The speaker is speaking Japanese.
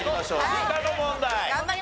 理科の問題。